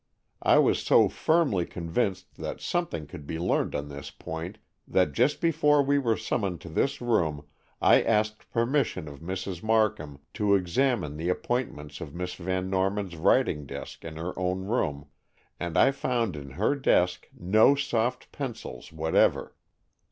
I was so firmly convinced that something could be learned on this point, that just before we were summoned to this room, I asked permission of Mrs. Markham to examine the appointments of Miss Van Norman's writing desk in her own room, and I found in her desk no soft pencils whatever.